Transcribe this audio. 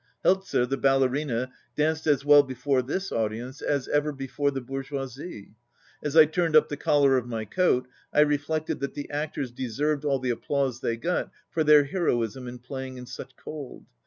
Helzer, the ballerina, danced as well before this audience as ever before the bourgeoisie. As I turned up the collar of my coat I reflected that the actors deserved all the applause they got for their heroism in playing in such cold.